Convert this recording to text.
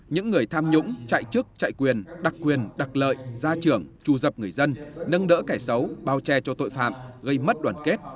những người tham nhũng chạy chức chạy quyền đặc quyền đặc lợi gia trưởng trù dập người dân nâng đỡ kẻ xấu bao che cho tội phạm gây mất đoàn kết